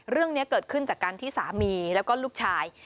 เรื่องนี้เกิดขึ้นจากการที่สามีแล้วก็ลูกชาย